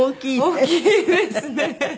大きいですね。